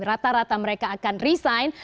rata rata mereka akan resign